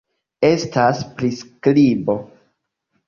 Estas priskribo